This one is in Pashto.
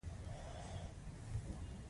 سختي بد دی.